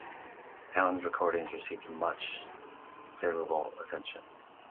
Allen's recordings received much favorable attention.